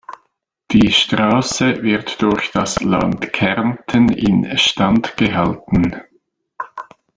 Die Straße wird durch das Land Kärnten in Stand gehalten.